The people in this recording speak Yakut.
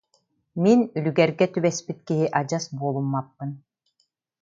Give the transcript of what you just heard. Мин, үлүгэргэ түбэспит киһи, адьас буолуммаппын!